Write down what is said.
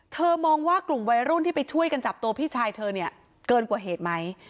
มองว่ากลุ่มวัยรุ่นที่ไปช่วยกันจับตัวพี่ชายเธอเนี่ยเกินกว่าเหตุไหม